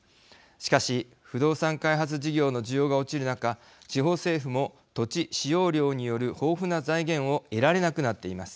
しかし不動産開発事業の需要が落ちる中地方政府も土地使用料による豊富な財源を得られなくなっています。